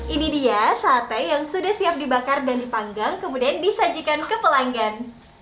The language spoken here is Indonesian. ini dia sate yang sudah siap dibakar dan dipanggang kemudian disajikan ke pelanggan